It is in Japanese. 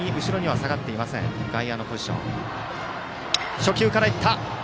初球からいった！